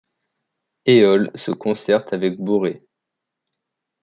Éole se concerte avec Borée.